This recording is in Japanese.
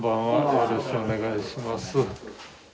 よろしくお願いします。